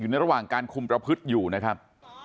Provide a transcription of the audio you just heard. ในระหว่างการคุมประพฤติอยู่นะครับ